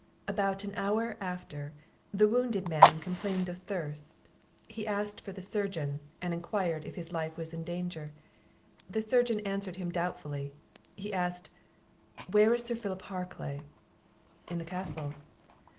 About an hour after, the wounded man complained of thirst; he asked for the surgeon, and enquired if his life was in danger? The surgeon answered him doubtfully. He asked "Where is Sir Philip Harclay?" "In the castle."